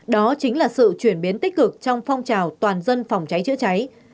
đó chính là sự chuyển biến tích cực trong phong trào toàn dân phòng cháy chữa cháy